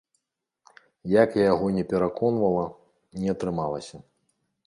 Як я яго не пераконвала, не атрымалася.